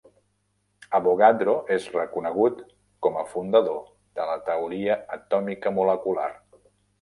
Avogadro és reconegut com a fundador de la teoria atòmica-molecular.